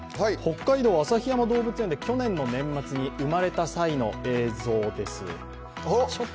北海道・旭山動物園で去年の年末に生まれた際の映像です。